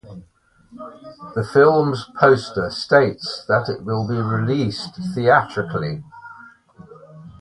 The film's poster states that it will be released theatrically.